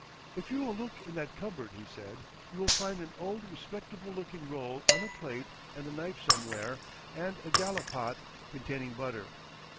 "If you will look in that cupboard," he said, "you will find an old respectable looking roll on a plate and a knife somewhere and a gallipot containing butter.